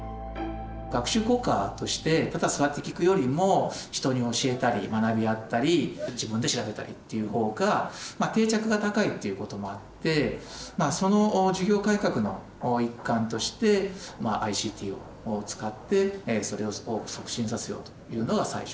学習効果としてただ座って聞くよりも人に教えたり学び合ったり自分で調べたりっていうほうが定着が高いっていうこともあってその授業改革の一環としてＩＣＴを使ってそれを促進させようというのが最初ですね。